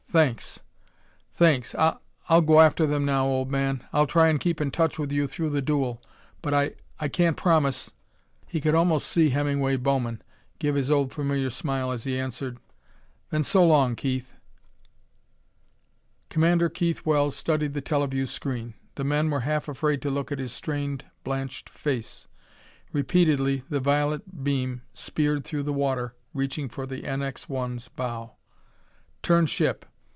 Thanks. Thanks. I I'll go after them now, old man. I'll try and keep in touch with you through the duel, but I I can't promise " He could almost see Hemingway Bowman give his old familiar smile as he answered: "Then so long, Keith!" Commander Keith Wells studied the teleview screen. The men were half afraid to look at his strained blanched face. Repeatedly the violet beam speared through the water, reaching for the NX 1's bow. "Turn ship.